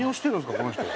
この人は。